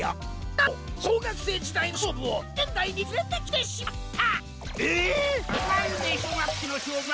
なんと小学生時代の勝舞を現代に連れてきてしまった！